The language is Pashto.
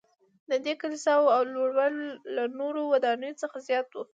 ددې کلیساوو لوړوالی له نورو ودانیو څخه زیات و.